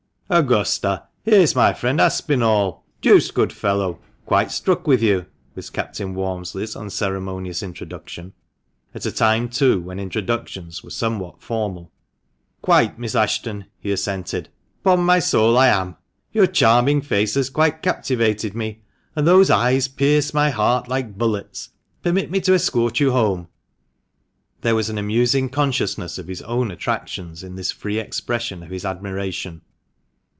" Augusta, here's my friend, Aspinall ; deuced good fellow — quite struck with you," was Captain Walmsley's unceremonious introduction — at a time, too, when introductions were somewhat formal. " Quite, Miss Ashton," he assented. " Ton my soul, I am ! Your charming face has quite captivated me, and those eyes pierce my heart like bullets. Permit me to escort you home." 22O THE MANCHESTER MAN. There was an amusing consciousness of his own attractions in this free expression of his admiration.